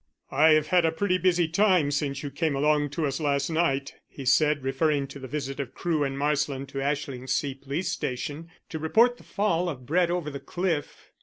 "I have had a pretty busy time since you came along to us last night," he said, referring to the visit of Crewe and Marsland to Ashlingsea police station to report the fall of Brett over the cliff.